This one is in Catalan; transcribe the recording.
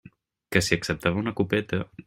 Que si acceptava una copeta?